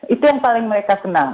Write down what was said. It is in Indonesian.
itu yang paling mereka kenal